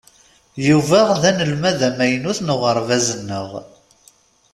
Yuba d anelmad amaynut n uɣerbaz-nneɣ.